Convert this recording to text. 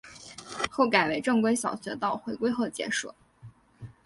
后改为正规小学到回归后结束。